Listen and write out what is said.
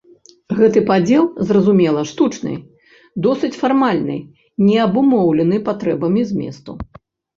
Гэты падзел, зразумела, штучны, досыць фармальны, не абумоўлены патрэбамі зместу.